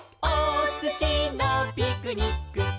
おすしのピクニック」